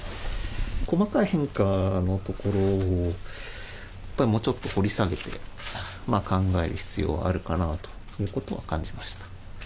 細かい変化のところを、やっぱりもうちょっと掘り下げて考える必要があるかなということは感じました。